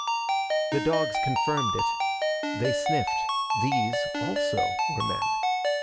The dogs confirmed it. They sniffed. These, also, were men.